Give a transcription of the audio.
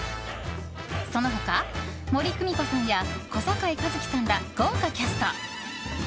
その他、森公美子さんや小堺一機さんら、豪華キャスト。